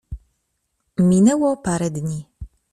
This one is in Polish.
Minęło parę dni.